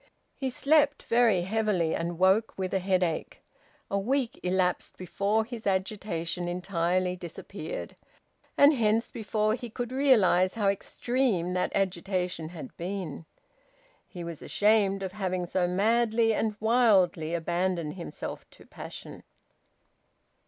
He slept very heavily, and woke with a headache. A week elapsed before his agitation entirely disappeared, and hence before he could realise how extreme that agitation had been. He was ashamed of having so madly and wildly abandoned himself to passion.